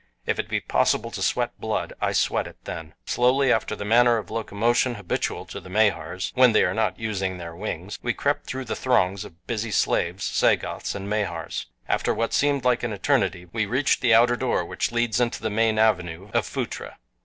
If it be possible to sweat blood, I sweat it then. Slowly, after the manner of locomotion habitual to the Mahars, when they are not using their wings, we crept through throngs of busy slaves, Sagoths, and Mahars. After what seemed an eternity we reached the outer door which leads into the main avenue of Phutra.